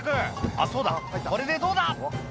「あっそうだこれでどうだ！」